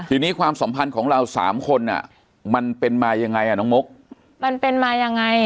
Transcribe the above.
ทีนี้ความสัมพันธ์ของเราสามคนอ่ะมันเป็นมายังไงอ่ะน้องมุกมันเป็นมายังไง